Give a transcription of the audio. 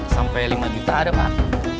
sampai lima juta ada pak